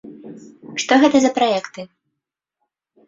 Што гэта за праекты?